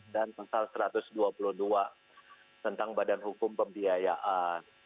dan pasal satu ratus dua puluh dua tentang badan hukum pembiayaan